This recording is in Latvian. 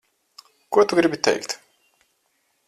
Ko tu gribi teikt?